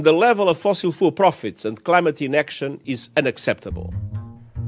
dan nilai fosil yang beruntung dan keadaan di dalam aksi tidak dapat dikendalikan